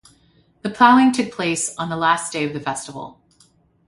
The ploughing took place on the last day of the festival.